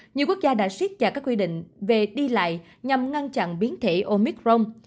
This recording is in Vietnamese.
nhiều quốc gia đã suýt dạy các quy định về đi lại nhằm ngăn chặn biến thể omicron